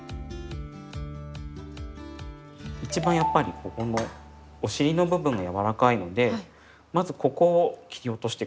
一番やっぱりここのお尻の部分が柔らかいのでまずここを切り落として下さい。